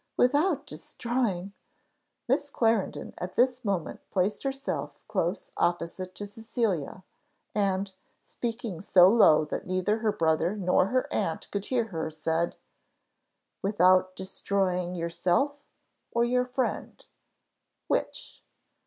without destroying " Miss Clarendon at this moment placed herself close opposite to Cecilia, and, speaking so low that neither her brother nor her aunt could hear her, said, "Without destroying yourself, or your friend which?"